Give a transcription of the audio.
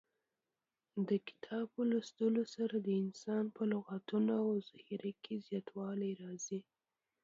د کتاب په لوستلو سره د انسان په لغتونو او ذخیره کې زیاتوالی راځي.